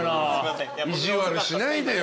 意地悪しないでよ。